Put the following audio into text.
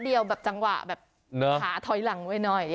เดียวแบบจังหวะแบบขาถอยหลังไว้หน่อย